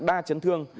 đa chấn thương